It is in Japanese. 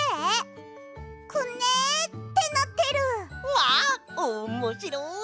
わっおもしろい！